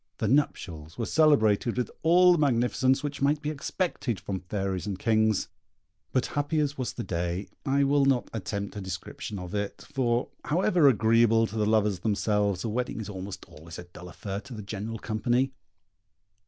The nuptials were celebrated with all the magnificence which might be expected from fairies and kings; but happy as was the day, I will not attempt a description of it, for, however agreeable to the lovers themselves, a wedding is almost always a dull affair to the general company.